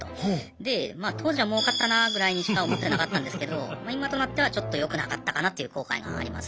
で当時はもうかったなぐらいにしか思ってなかったんですけど今となってはちょっとよくなかったかなという後悔があります。